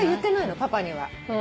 パパには。